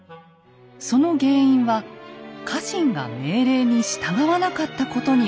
その原因は家臣が命令に従わなかったことにありました。